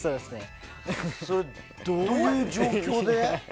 それ、どういう状況で？